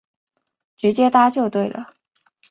直接搭就对了